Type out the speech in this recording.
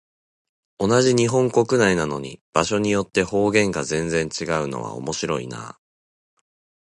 同じ日本国内なのに、場所によって方言が全然違うのは面白いなあ。